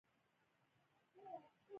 ما خپل مالونه بیرته ترلاسه کړل.